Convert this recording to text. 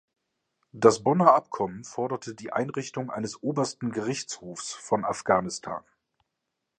Das Bonner Abkommen forderte die Einrichtung eines Obersten Gerichtshofs von Afghanistan.